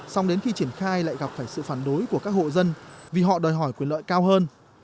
xong đến khi triển khai lại gặp phải sự phản đối của các hộ dân vì họ đòi hỏi quyền lợi cao hơn